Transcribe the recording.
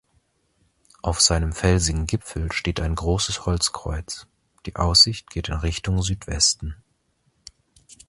Auf seinem felsigen Gipfel steht ein großes Holzkreuz, die Aussicht geht in Richtung Südwesten.